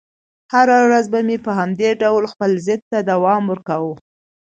هره ورځ به مې په همدې ډول خپل ضد ته دوام ورکاوه.